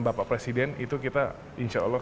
bapak presiden itu kita insya allah